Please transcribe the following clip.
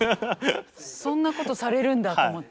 そんなことされるんだと思って。